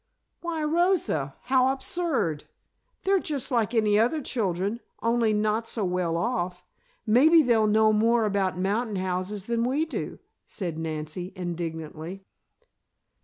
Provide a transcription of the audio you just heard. "Why, Rosa? How absurd. They're just like any other children, only not so well off. Maybe they'll know more about mountain houses than we do," said Nancy, indignantly.